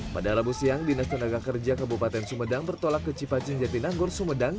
pada rabu siang dinas tenaga kerja kabupaten sumedang bertolak ke cipancing jatinangor sumedang